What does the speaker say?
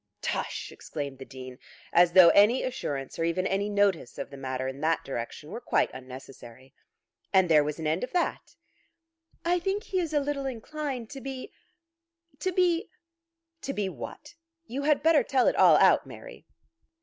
"Tush!" exclaimed the Dean, as though any assurance or even any notice of the matter in that direction were quite unnecessary. "And there was an end of that?" "I think he is a little inclined to be to be " "To be what? You had better tell it all out, Mary."